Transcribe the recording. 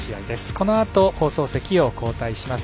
このあと放送席を交代します。